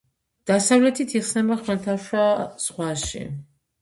დასავლეთით იხსნება ხმელთაშუა ზღვაში.